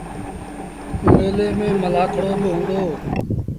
ميلي ميݩ ملآکڙوبا هُݩدو۔